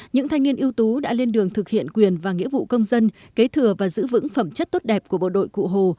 những thanh niên ưu tú đã lên đường thực hiện quyền và nghĩa vụ công dân kế thừa và giữ vững phẩm chất tốt đẹp của bộ đội cụ hồ